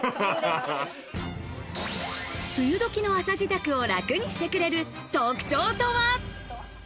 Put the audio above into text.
梅雨どきの朝支度を楽にしてくれる特徴とは？